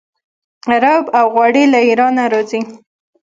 رب او غوړي له ایران راځي.